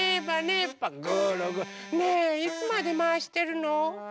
ねえいつまでまわしてるの？